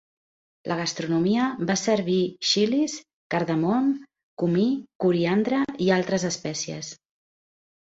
La gastronomia fa servir xilis, cardamom, comí, coriandre i altres espècies.